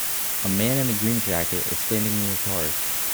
A man in a green jacket is standing near cars